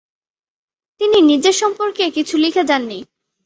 তিনি নিজের জীবন সম্পর্কে কিছু লিখে যাননি।